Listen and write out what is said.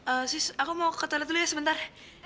eh sis aku mau ke toilet dulu ya sebentar